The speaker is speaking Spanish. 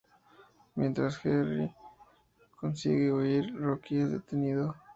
Mientras Jerry consigue huir, Rocky es detenido.